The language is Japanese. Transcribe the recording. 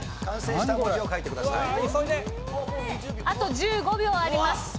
あと１５秒あります。